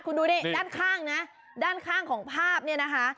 คุณดูดิด้านข้างนะด้านข้างของภาพเนี่ยนะคะ